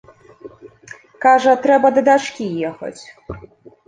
Кажа, трэба да дачкі ехаць.